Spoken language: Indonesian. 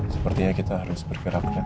sepertinya kita harus bergerak